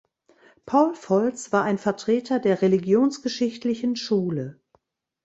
Paul Volz war ein Vertreter der Religionsgeschichtlichen Schule.